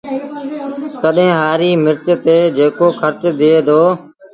تڏهيݩ هآريٚ مرچ تي جيڪو کرچ ٿئي دو